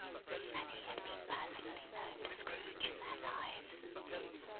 Many had been personally known to Scrooge in their lives.